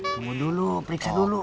tunggu dulu periksa dulu